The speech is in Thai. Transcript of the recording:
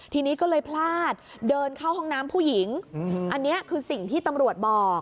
ทีนี้ก็เลยพลาดเดินเข้าห้องน้ำผู้หญิงอันนี้คือสิ่งที่ตำรวจบอก